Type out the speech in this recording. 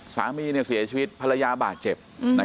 สามีเสียชีวิตภรรยาบาดเจ็บ